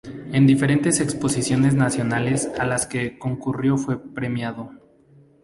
En diferentes Exposiciones Nacionales a las que concurrió fue premiado.